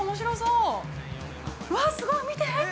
うわっ、すごい見て！